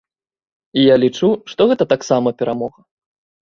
І я лічу, што гэта таксама перамога.